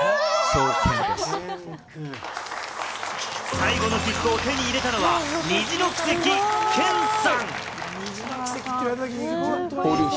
最後の切符を手に入れたのは、Ｎｉｚｉの奇跡、ケンさん。